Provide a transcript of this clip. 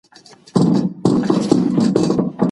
علماء باید خپل مسئولیتونه هېر نه کړي.